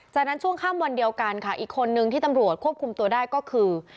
จากนั้นช่วงค่ำวันเดียวกันค่ะอีกคนนึงที่ตำรวจควบคุมตัวได้ก็คือ